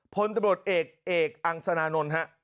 พลตำรวจเอกเอกอังสนานนท์ฮะ